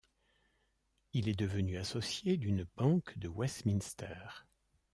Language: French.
Il est devenu associé d'une banque de Westminster.